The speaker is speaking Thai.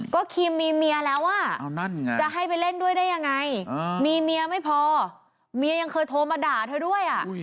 ก็ครีมมีเมียแล้วอ่ะจะให้ไปเล่นด้วยได้ยังไงมีเมียไม่พอเมียยังเคยโทรมาด่าเธอด้วย